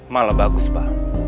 malah bagus pak